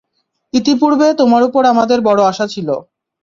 ইতিপূর্বে তোমার উপর আমাদের বড় আশা ছিল।